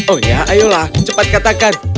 oh ya ayolah cepat katakan